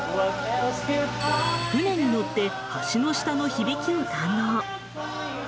船に乗って橋の下の響きを堪能。